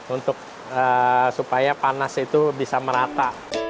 untuk supaya panas itu bisa merata